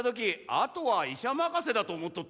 あとは医者任せだと思っとった。